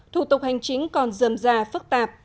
thủ tục hành chính còn dầm dà phức tạp